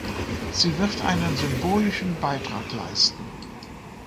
Sie wird einen symbolischen Beitrag leisten.